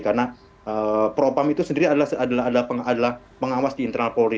karena pro opam itu sendiri adalah pengawas di internal polri